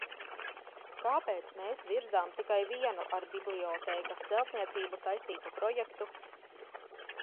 Kāpēc mēs virzām tikai vienu ar bibliotēkas celtniecību saistītu projektu?